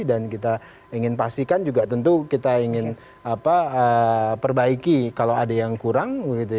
dan kita ingin pastikan juga tentu kita ingin perbaiki kalau ada yang kurang